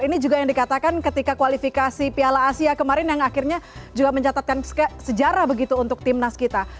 ini juga yang dikatakan ketika kualifikasi piala asia kemarin yang akhirnya juga mencatatkan sejarah begitu untuk timnas kita